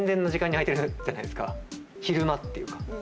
昼間っていうか。